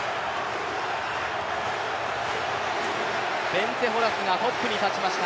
ベンツェ・ホラスがトップに立ちました。